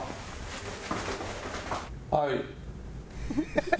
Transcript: はい。